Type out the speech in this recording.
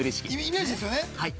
◆イメージですよね。